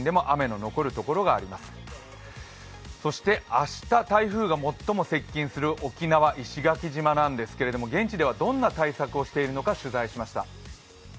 明日台風が最も接近する石垣島なんですけれども現地ではどんな対策をしているのか、取材しました。